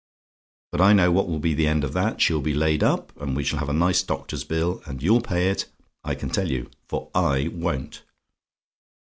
But I know what will be the end of that; she'll be laid up, and we shall have a nice doctor's bill. And you'll pay it, I can tell you for I won't.